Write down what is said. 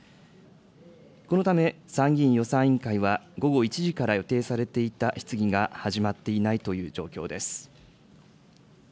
このため参議院予算委員会は、午後１時から予定されていた質疑が始まっていないという状況です。